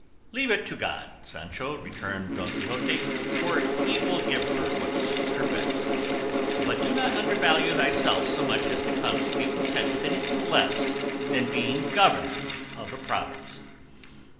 "Leave it to God, Sancho," returned Don Quixote, "for he will give her what suits her best; but do not undervalue thyself so much as to come to be content with anything less than being governor of a province."